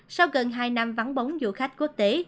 sau gần hai năm vắng bóng du khách quốc tế